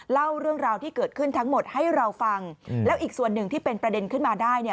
เล่าเรื่องราวที่เกิดขึ้นทั้งหมดให้เราฟังแล้วอีกส่วนหนึ่งที่เป็นประเด็นขึ้นมาได้